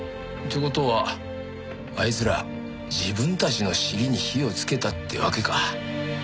って事はあいつら自分たちの尻に火をつけたってわけか。